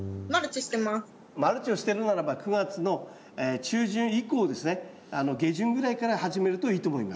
マルチをしてるならば９月の中旬以降ですね下旬ぐらいから始めるといいと思います。